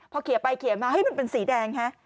พอเขียนไปเขียนมาเป็นสีแดง